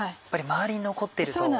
やっぱり周りに残っていると。